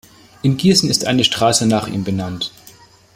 In Gießen ist eine Straße nach ihm benannt.